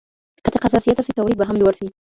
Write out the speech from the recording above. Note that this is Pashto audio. که تقاضا زياته سي توليد به هم لوړ سي.